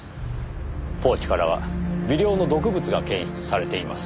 ポーチからは微量の毒物が検出されています。